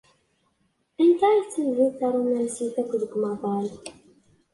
Anta i d tamdint tarumansit akk deg umaḍal?